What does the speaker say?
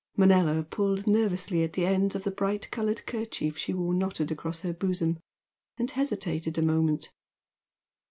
Manella pulled nervously at the ends of the bright coloured kerchief she wore knotted across her bosom, and hesitated a moment.